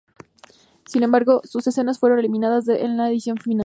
Sin embargo, sus escenas fueron eliminadas en la edición final.